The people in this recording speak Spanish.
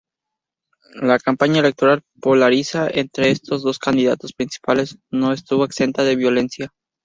La campaña electoral, polarizada entre estos dos candidatos principales, no estuvo exenta de violencia.